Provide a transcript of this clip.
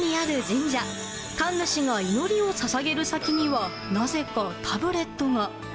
神主が祈りを捧げる先にはなぜかタブレットが。